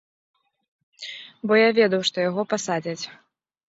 Бо я ведаў, што яго пасадзяць.